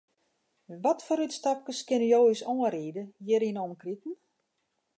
Watfoar útstapkes kinne jo ús oanriede hjir yn 'e omkriten?